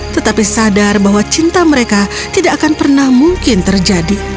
tetapi sadar bahwa cinta mereka tidak akan pernah mungkin terjadi